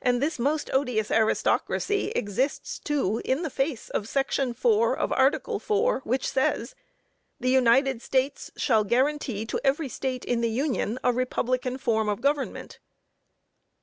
And this most odious aristocracy exists, too, in the face of Section 4, of Article 4, which says: "The United States shall guarantee to every State in the Union a republican form of government."